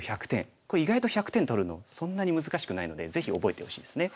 これ意外と１００点取るのそんなに難しくないのでぜひ覚えてほしいですね。